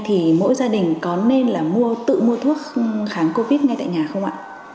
thì mỗi gia đình có nên là mua tự mua thuốc kháng covid ngay tại nhà không ạ